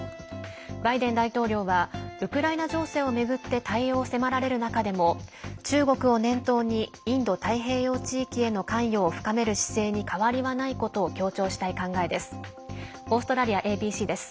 バイデン大統領はウクライナ情勢を巡って対応を迫られる中でも中国を念頭にインド太平洋地域への関与を深める姿勢に変わりはないことを強調したい考えです。